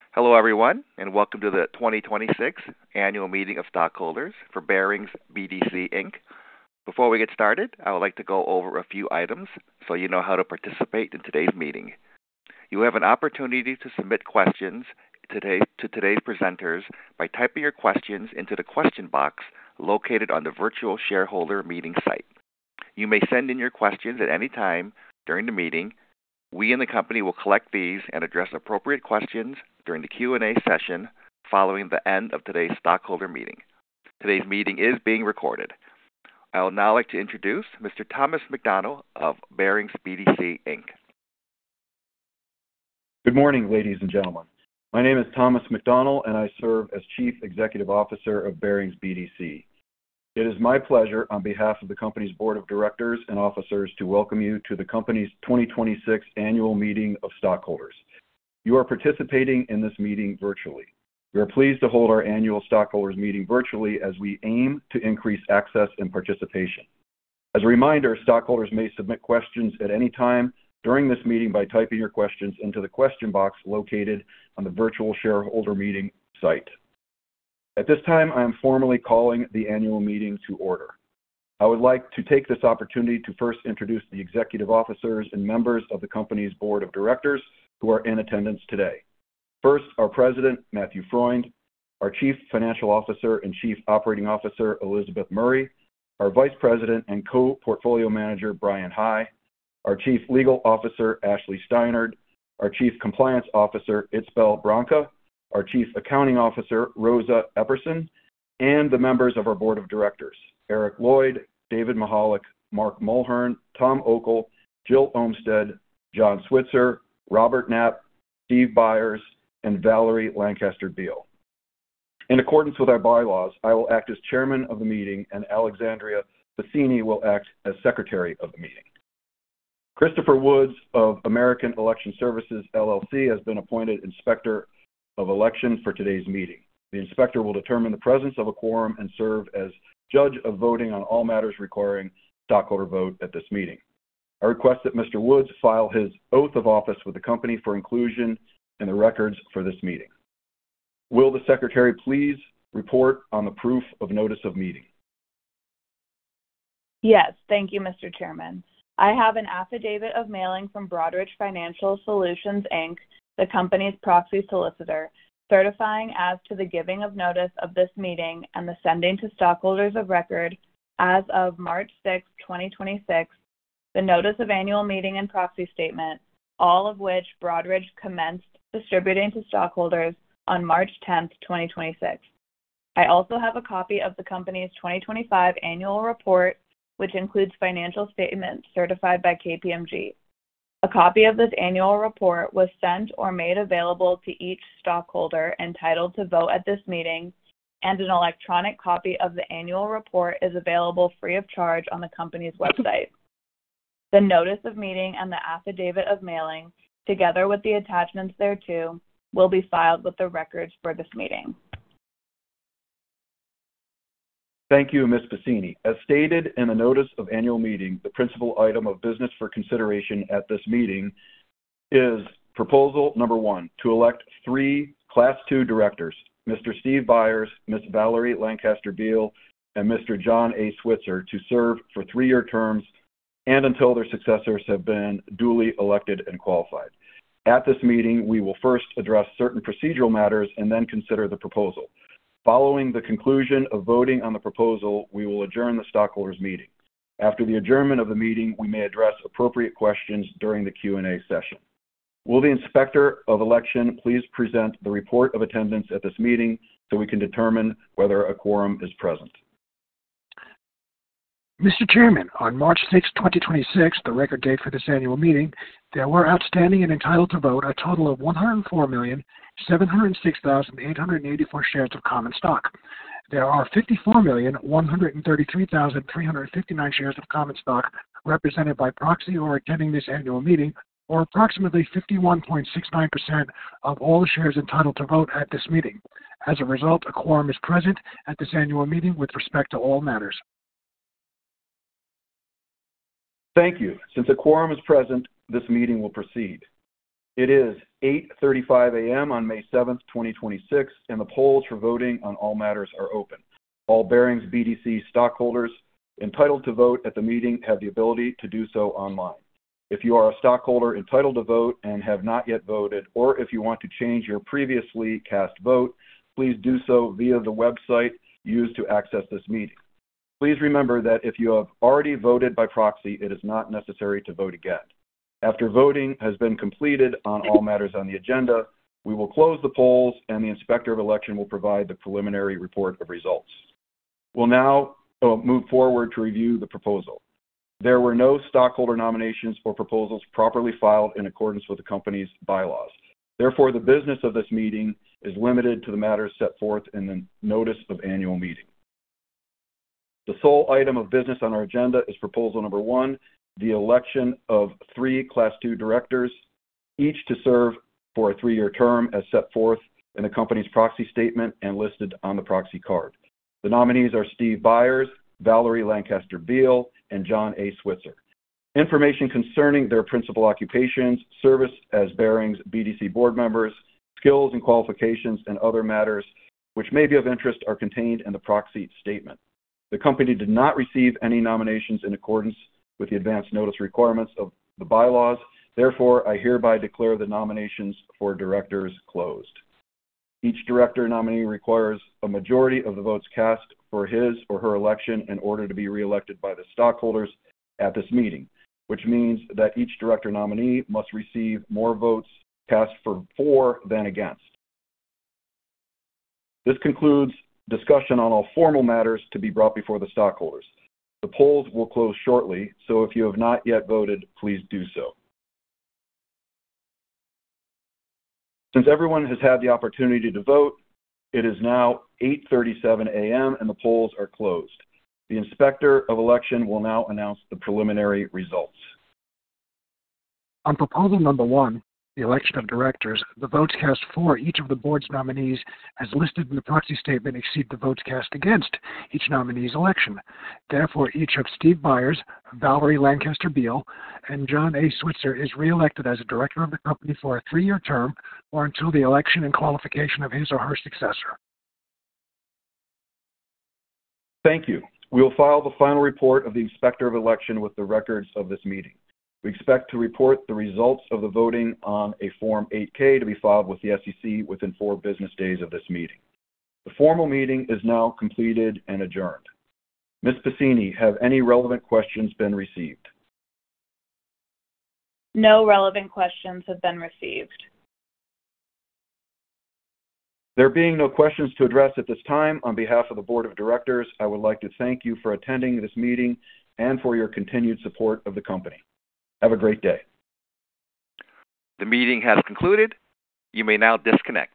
Hello, everyone, and welcome to the 2026 Annual Meeting of Stockholders for Barings BDC, Inc. Before we get started, I would like to go over a few items so you know how to participate in today's meeting. You have an opportunity to submit questions to today's presenters by typing your questions into the question box located on the virtual shareholder meeting site. You may send in your questions at any time during the meeting. We in the company will collect these and address appropriate questions during the Q&A session following the end of today's stockholder meeting. Today's meeting is being recorded. I would now like to introduce Mr. Thomas McDonnell of Barings BDC, Inc. Good morning, ladies and gentlemen. My name is Thomas McDonnell, and I serve as Chief Executive Officer of Barings BDC. It is my pleasure on behalf of the company's Board of Directors and officers to welcome you to the company's 2026 Annual Meeting of Stockholders. You are participating in this meeting virtually. We are pleased to hold our Annual Stockholders Meeting virtually as we aim to increase access and participation. As a reminder, stockholders may submit questions at any time during this meeting by typing your questions into the question box located on the virtual shareholder meeting site. At this time, I am formally calling the annual meeting to order. I would like to take this opportunity to first introduce the executive officers and members of the company's Board of Directors who are in attendance today. First, our President, Matthew Freund; our Chief Financial Officer and Chief Operating Officer, Elizabeth Murray; our Vice President and Co-Portfolio Manager, Bryan High; our Chief Legal Officer, Ashlee Steinnerd; our Chief Compliance Officer, Itzbell Branca; our Chief Accounting Officer, Rosa Epperson; and the Members of our Board of Directors, Eric Lloyd, David Mihalick, Mark Mulhern, Tom Okel, Jill Olmstead, John Switzer, Robert Knapp, Steve Byers, and Valerie Lancaster-Beal. In accordance with our bylaws, I will act as Chairman of the meeting, and Alexandra Pacini will act as Secretary of the meeting. Christopher Woods of American Election Services, LLC, has been appointed Inspector of Election for today's meeting. The Inspector will determine the presence of a quorum and serve as judge of voting on all matters requiring stockholder vote at this meeting. I request that Mr. Woods file his oath of office with the company for inclusion in the records for this meeting. Will the Secretary please report on the proof of Notice of Meeting? Yes. Thank you, Mr. Chairman. I have an affidavit of mailing from Broadridge Financial Solutions, Inc, the company's proxy solicitor, certifying as to the giving of notice of this meeting and the sending to stockholders of record as of March 6th, 2026, the Notice of Annual Meeting and Proxy Statement, all of which Broadridge commenced distributing to stockholders on March 10th, 2026. I also have a copy of the company's 2025 Annual Report, which includes financial statements certified by KPMG. A copy of this annual report was sent or made available to each stockholder entitled to vote at this meeting, and an electronic copy of the annual report is available free of charge on the company's website. The Notice of Meeting and the Affidavit of Mailing, together with the attachments thereto, will be filed with the records for this meeting. Thank you, Ms. Pacini. As stated in the Notice of Annual Meeting, the principal item of business for consideration at this meeting is Proposal No. 1, to elect three Class II Directors, Mr. Steve Byers, Ms. Valerie Lancaster-Beal, and Mr. John A. Switzer, to serve for three-year terms and until their successors have been duly elected and qualified. At this meeting, we will first address certain procedural matters and then consider the proposal. Following the conclusion of voting on the proposal, we will adjourn the Stockholders' Meeting. After the adjournment of the meeting, we may address appropriate questions during the Q&A session. Will the Inspector of Election please present the report of attendance at this meeting so we can determine whether a quorum is present? Mr. Chairman, on March 6, 2026, the record date for this annual meeting, there were outstanding and entitled to vote a total of 104,706,884 shares of common stock. There are 54,133,359 shares of common stock represented by proxy or attending this Annual Meeting, or approximately 51.69% of all shares entitled to vote at this meeting. As a result, a quorum is present at this annual meeting with respect to all matters. Thank you. Since a quorum is present, this meeting will proceed. It is 8:35 A.M. on May 7th, 2026, and the polls for voting on all matters are open. All Barings BDC stockholders entitled to vote at the meeting have the ability to do so online. If you are a stockholder entitled to vote and have not yet voted, or if you want to change your previously cast vote, please do so via the website used to access this meeting. Please remember that if you have already voted by proxy, it is not necessary to vote again. After voting has been completed on all matters on the agenda, we will close the polls, and the Inspector of Election will provide the preliminary report of results. We'll now move forward to review the proposal. There were no stockholder nominations for proposals properly filed in accordance with the company's bylaws. Therefore, the business of this meeting is limited to the matters set forth in the Notice of Annual Meeting. The sole item of business on our agenda is Proposal No. 1, the election of three Class II Directors, each to serve for a three-year term as set forth in the company's proxy statement and listed on the proxy card. The nominees are Stephen Byers, Valerie Lancaster-Beal, and John A. Switzer. Information concerning their principal occupations, service as Barings BDC board members, skills and qualifications, and other matters which may be of interest are contained in the proxy statement. The company did not receive any nominations in accordance with the advance notice requirements of the bylaws. I hereby declare the nominations for Directors closed. Each Director Nominee requires a majority of the votes cast for his or her election in order to be reelected by the stockholders at this meeting, which means that each Director Nominee must receive more votes cast for than against. This concludes discussion on all formal matters to be brought before the stockholders. The polls will close shortly. If you have not yet voted, please do so. Since everyone has had the opportunity to vote, it is now 8:37 A.M., and the polls are closed. The Inspector of Election will now announce the preliminary results. On Proposal No. 1, the election of Directors, the votes cast for each of the board's nominees as listed in the proxy statement exceed the votes cast against each nominee's election. Each of Stephen Byers, Valerie Lancaster-Beal, and John A. Switzer is reelected as a Director of the company for a three-year term or until the election and qualification of his or her successor. Thank you. We will file the final report of the Inspector of Election with the records of this meeting. We expect to report the results of the voting on a Form 8-K to be filed with the SEC within four business days of this meeting. The formal meeting is now completed and adjourned. Ms. Pacini, have any relevant questions been received? No relevant questions have been received. There being no questions to address at this time, on behalf of the Board of Directors, I would like to thank you for attending this meeting and for your continued support of the company. Have a great day. The meeting has concluded. You may now disconnect.